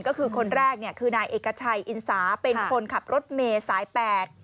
ก็คือคนแรกเนี่ยคือนายเอกชัยอินสาเป็นคนขับรถเมย์สายแปด